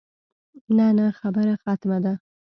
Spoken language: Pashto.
نه نه خبره ختمه ده.